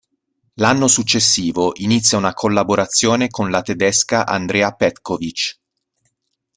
L'anno successivo inizia una collaborazione con la tedesca Andrea Petković.